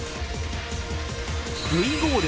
Ｖゴール。